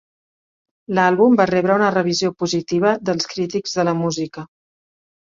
L'àlbum va rebre una revisió positiva dels crítics de la música.